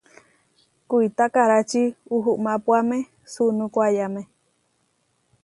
Kuitá karáči uhumuápuame suunú koayáme.